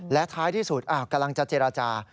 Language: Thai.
และท้ายที่สุดกำลังจะเจรจา